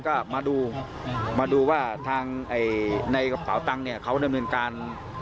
ก็มาดูว่าในเป๋าตังเขานำเนินการ